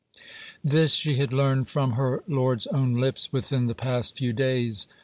This she had learned from her lord's own lips within the past few days.